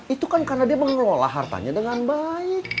itu kan karena dia mengelola hartanya dengan baik